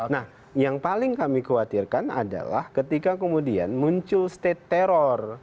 nah yang paling kami khawatirkan adalah ketika kemudian muncul state terror